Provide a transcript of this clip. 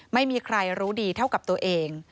ไม่มีใครรู้ดีเท่ากับตัวเอง